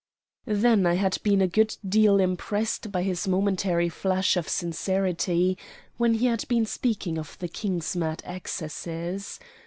Then I had been a good deal impressed by his momentary flash of sincerity when he had been speaking of the King's mad excesses.